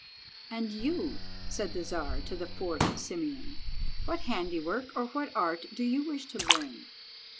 "And you," said the Czar to the fourth Simeon, "what handiwork or what art do you wish to learn?"